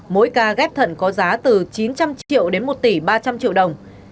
mỗi ca ghép thận có giá từ chín trăm linh triệu đến một tỷ ba trăm linh triệu đồng